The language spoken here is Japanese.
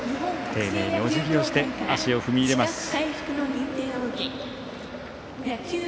丁寧におじぎをして足を踏み入れました。